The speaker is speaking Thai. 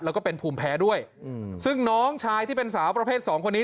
แล้วก็เป็นภูมิแพ้ด้วยอืมซึ่งน้องชายที่เป็นสาวประเภทสองคนนี้